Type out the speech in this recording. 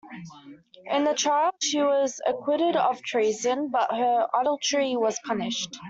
In the trial she was acquitted of treason, but her adultery was punished.